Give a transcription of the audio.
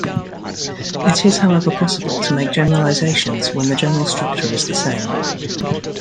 It is however possible to make generalizations when the general structure is the same.